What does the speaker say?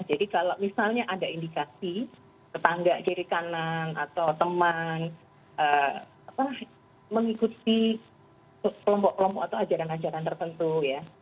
jadi kalau misalnya ada indikasi tetangga kiri kanan atau teman mengikuti kelompok kelompok atau ajaran ajaran tertentu ya